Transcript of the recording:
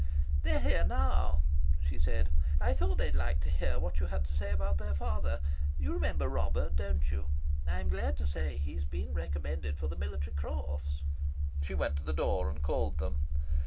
"They're here now," she said. "I thought they'd, like to hear what you had to say about their father. You remember Robert, don't you? I'm glad to say he's been recommended for the Military Cross." She went to the door and called them.